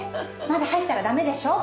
まだ入ったら駄目でしょ。